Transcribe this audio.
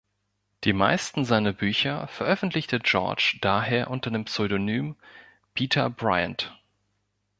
Die meisten seiner Bücher veröffentlichte George daher unter dem Pseudonym Peter Bryant.